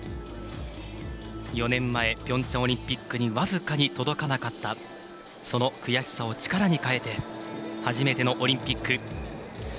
４年前ピョンチャンオリンピックに僅かに届かなかったその悔しさを力に変えて初めてのオリンピック。